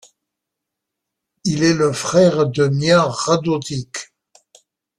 Il est le frère de Mia Radotić.